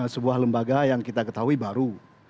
sebuah lembaga yang kita ketahui baru